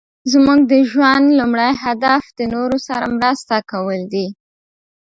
زموږ د ژوند لومړی هدف د نورو سره مرسته کول دي.